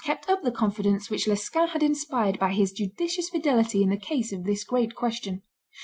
kept up the confidence which Lescun had inspired by his judicious fidelity in the case of this great question.